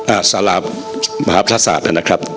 อ่าสลาดบรรภาษานะครับ